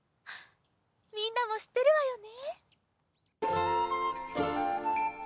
みんなもしってるわよね。